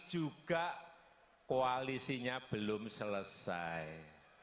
juga koalisinya belum selesai